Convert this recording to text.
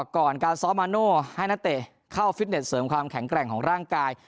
ก่อนการซ้อมมาโน่ให้นักเตะเข้าฟิตเน็ตเสริมความแข็งแกร่งของร่างกาย